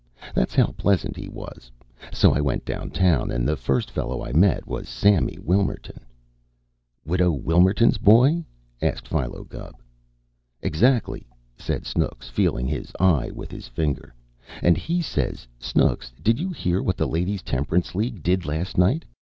That's how pleasant he was. So I went downtown, and the first fellow I met was Sammy Wilmerton." "Widow Wilmerton's boy?" asked Philo Gubb. "Exactly!" said Snooks, feeling his eye with his finger. "And he says, 'Snooks, did you hear what the Ladies' Temperance League did last night?'